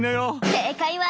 正解は。